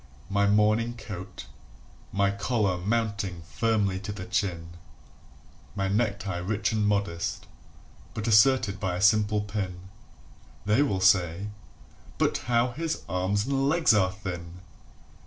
"] My morning coat, my collar mounting firmly to the chin, My necktie rich and modest, but asserted by a simple pin [They will say: "But how his arms and legs are thin!"